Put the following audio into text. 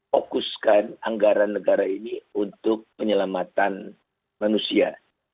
fokuskan anggaran negara ini untuk penyelamatan manusia